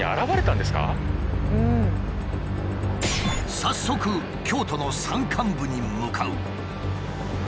早速京都の山間部に向かう。